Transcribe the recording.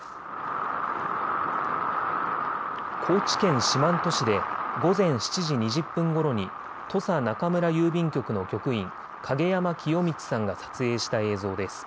高知県四万十市で午前７時２０分ごろに土佐中村郵便局の局員、影山清満さんが撮影した映像です。